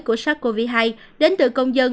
của sars cov hai đến từ công dân